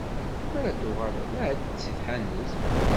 Mi ara d-tuɣaleḍ, εeddi-d si tḥanut.